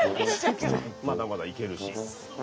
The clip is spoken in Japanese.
まだまだ行けるし。